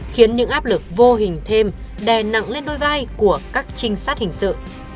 khiến những áp lực vô hình thêm đè nặng lên đôi vai của các trinh sát hình sự